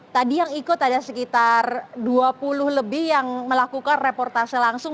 tadi yang ikut ada sekitar dua puluh lebih yang melakukan reportase langsung